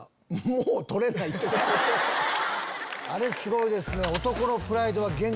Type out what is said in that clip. あれすごいですね。